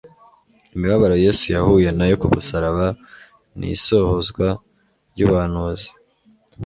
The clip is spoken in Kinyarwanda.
Imibabaro Yesu yahuye na yo ku musaraba ni isohozwa ry'ubuhanuzi.